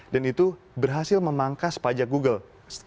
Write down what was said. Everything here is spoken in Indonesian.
dan itu berhasil memangkas pajak google